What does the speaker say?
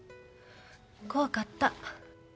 怖かった。